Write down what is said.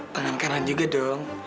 tangan kanan juga dong